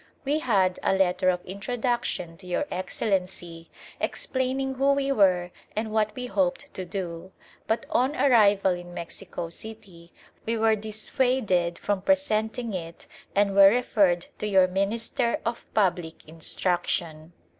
We held a letter of introduction to Your Excellency explaining who we were and what we hoped to do, but on arrival in Mexico City we were dissuaded from presenting it and were referred to your Minister of Public Instruction.